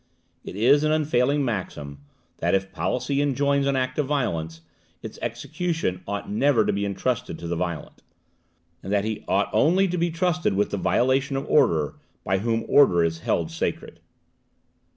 It is an unfailing maxim, that, if policy enjoins an act of violence, its execution ought never to be entrusted to the violent; and that he only ought to be trusted with the violation of order by whom order is held sacred.